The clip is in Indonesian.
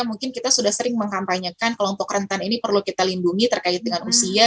mungkin kita sudah sering mengkampanyekan kelompok rentan ini perlu kita lindungi terkait dengan usia